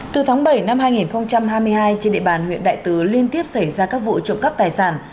từ tháng bảy năm hai nghìn hai mươi hai trên địa bàn huyện đại tứ liên tiếp xảy ra các vụ trộm cắp tài sản